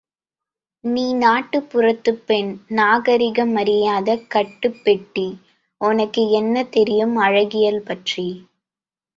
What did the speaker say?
நீ நாட்டுப்புறத்துப் பெண் நாகரிகம் அறியாத கட்டுப் பெட்டி, உனக்கு என்ன தெரியும் அழகியல்பற்றி.